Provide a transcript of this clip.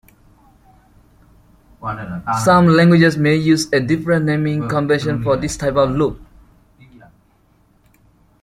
Some languages may use a different naming convention for this type of loop.